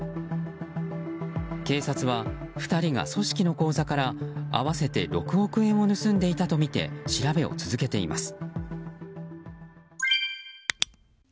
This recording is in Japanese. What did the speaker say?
警察は２人が組織の口座から合わせて６億円を盗んでいたとみて調べを続けています。